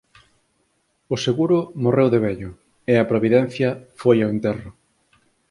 O seguro morreu de vello e a providencia foi ao enterro.